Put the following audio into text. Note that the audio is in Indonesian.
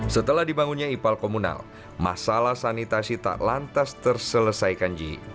setelah dibangunnya ipal komunal masalah sanitasi tak lantas terselesaikan ji